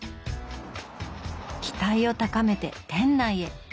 期待を高めて店内へ。